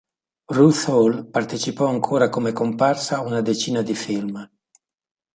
Ruth Hall partecipò ancora come comparsa a una decina di film.